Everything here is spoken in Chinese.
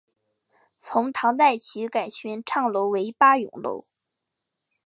从唐代起改玄畅楼为八咏楼。